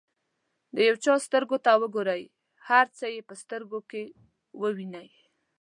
د یو چا سترګو ته وګورئ هر څه یې په سترګو کې ووینئ.